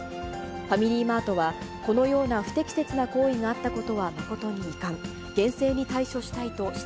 ファミリーマートは、このような不適切な行為があったことは誠に遺憾。